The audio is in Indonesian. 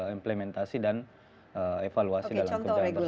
implementasi dan evaluasi dalam kerjaan tersebut